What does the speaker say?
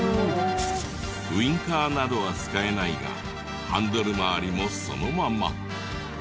ウィンカーなどは使えないがハンドル周りもそのまま。